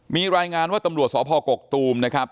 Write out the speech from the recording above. มีรายงานว่าตำรวจสพกกตูมนะครับ